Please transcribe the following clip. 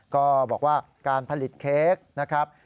ก็บอกว่าการผลิตเค้กนะครับ